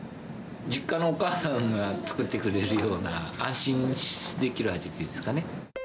実家のお母さんが作ってくれるような、安心できる味っていうんですかね。